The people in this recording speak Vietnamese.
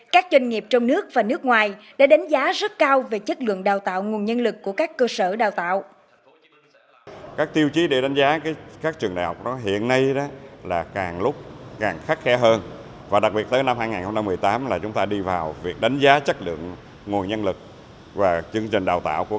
các doanh nghiệp trong nước và nước ngoài đã đánh giá rất cao về chất lượng đào tạo nguồn nhân lực của các cơ sở đào tạo